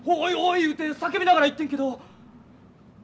いうて叫びながら行ってんけど。